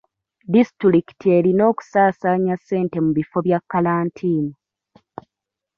Disitulikiti erina okusaasaanya ssente mu bifo bya kalantiini.